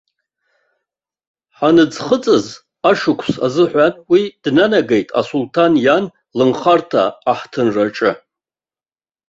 Ҳаныӡхыҵыз ашықәс азыҳәан уи днанагеит асулҭан иан лынхарҭа аҳҭынраҿы.